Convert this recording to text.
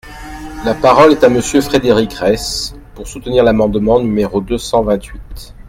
La parole est à Monsieur Frédéric Reiss, pour soutenir l’amendement numéro deux cent vingt-huit.